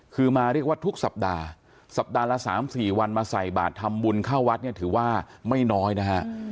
คือมาเรียกว่าทุกสัปดาห์สัปดาห์ละ๓๔วันมาใส่บาททำบุญเข้าวัดเนี่ยถือว่าไม่น้อยนะฮะ